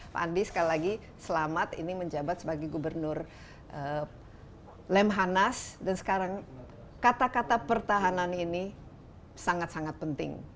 pak andi sekali lagi selamat ini menjabat sebagai gubernur lemhanas dan sekarang kata kata pertahanan ini sangat sangat penting